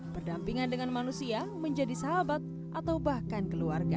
berdampingan dengan manusia menjadi sahabat atau bahkan keluarga